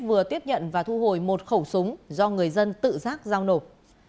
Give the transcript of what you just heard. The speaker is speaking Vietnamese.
vừa tiếp nhận và thu hồi một khẩu súng do người dân tự giác giao nộp